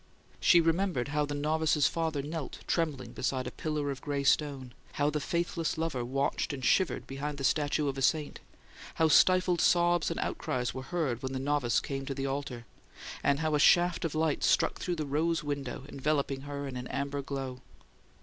She remembered how the novice's father knelt, trembling, beside a pillar of gray stone; how the faithless lover watched and shivered behind the statue of a saint; how stifled sobs and outcries were heard when the novice came to the altar; and how a shaft of light struck through the rose window, enveloping her in an amber glow.